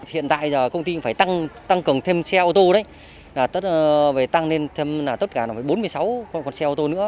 hiện tại công ty phải tăng cầng thêm xe ô tô tăng lên tất cả bốn mươi sáu con xe ô tô nữa